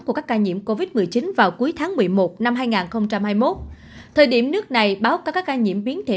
của các ca nhiễm covid một mươi chín vào cuối tháng một mươi một năm hai nghìn hai mươi một thời điểm nước này báo cáo các ca nhiễm biến thể